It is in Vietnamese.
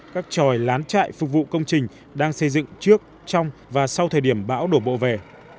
các tròi lán chạy phục vụ công trình đang xây dựng trước trong và sau thời điểm bão đổ bộ về